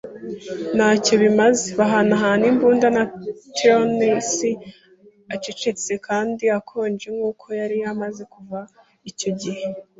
ntacyo bimaze. ” Bahanahana imbunda, na Trelawney, acecetse kandi akonje nkuko yari ameze kuva icyo gihe